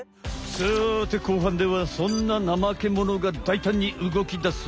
さて後半ではそんなナマケモノがだいたんにうごきだす！